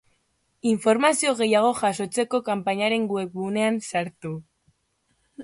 Informazio gehiago jasotzeko kanpainaren webgunean sartu.